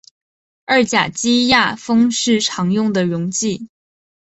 二甲基亚砜是常用的溶剂。